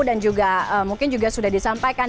dan juga mungkin juga sudah disampaikan